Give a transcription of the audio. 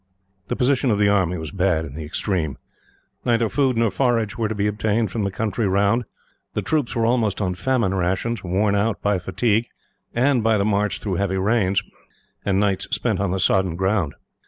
The position of the army was bad in the extreme. Neither food nor forage were to be obtained from the country round. The troops were almost on famine rations, worn out by fatigue, and by the march through heavy rains, and nights spent on the sodden ground.